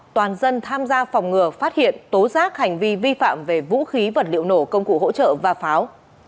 toàn dân tham gia phòng ngừa phát hiện tố giác hành vi vi phạm về vũ khí vật liệu nổ công cụ hỗ trợ và pháo